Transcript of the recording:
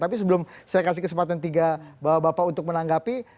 tapi sebelum saya kasih kesempatan tiga bapak untuk menanggapi